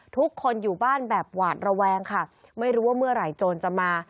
ทุกคนอยู่บ้านแบบหวาดระแวงค่ะไม่รู้ว่าเมื่อไหร่โจรจะมา